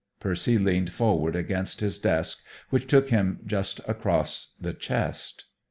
Percy leaned forward against his desk, which took him just across the chest.